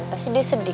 pasti dia sedih